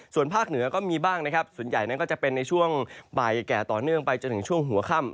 ส่วนภาคเหนือก็มีบ้างนะครับส่วนใหญ่นั้นก็จะเป็นในช่วงบ่ายแก่ต่อเนื่องไปจนถึงช่วงหัวค่ำ